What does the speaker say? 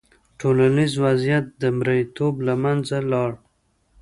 ټولنیز وضعیت د مریتوب له منځه لاړ.